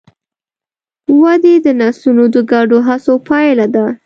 ودې د نسلونو د ګډو هڅو پایله ده.